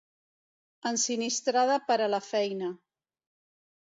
Ensinistrada per a la feina.